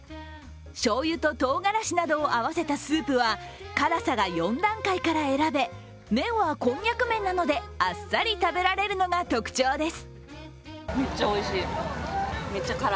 しょうゆととうがらしなどを合わせたスープは辛さが４段階から選べ、麺はこんにゃく麺なのであっさり食べられるのが特徴です。